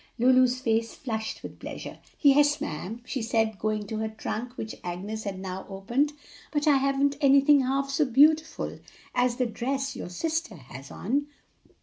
Lulu's face flushed with pleasure. "Yes, ma'am," she said, going to her trunk, which Agnes had now opened; "but I haven't anything half so beautiful as the dress your sister has on."